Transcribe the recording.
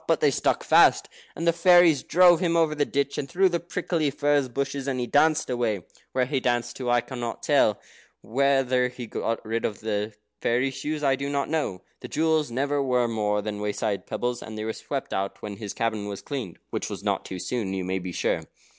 But they stuck fast, and the fairies drove him over, the ditch, and through the prickly furze bushes, and he danced away. Where he danced to, I cannot tell you. Whether he ever got rid of the fairy shoes, I do not know. The jewels never were more than wayside pebbles, and they were swept out when his cabin was cleaned, which was not too soon, you may be sure.